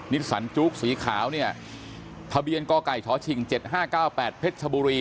นิสสันจุ๊กสีขาวเนี้ยทะเบียนกล้าไก่ท้อชิงเจ็ดห้าเก้าแปดเพชรทบุรี